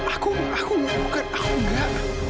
aku aku bukan aku nggak